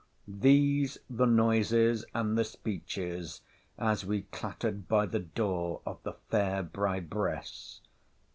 — These the noises and the speeches as we clattered by the door of the fair bribress.